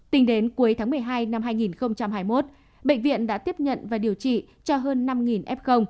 tính đến cuối tháng một mươi hai năm hai nghìn hai mươi một bệnh viện đã tiếp nhận và điều trị cho hơn năm f